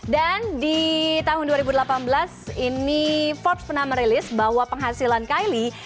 dan di tahun dua ribu delapan belas ini forbes pernah merilis bahwa penghasilan kylie